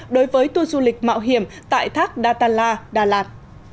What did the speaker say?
đối với tuôn du lịch mạo hiểm tại thác datala đà lạt